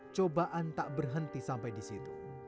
cobaan tak berhenti sampai di situ